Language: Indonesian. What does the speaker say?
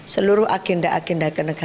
seluruh agenda agenda keindonesiaan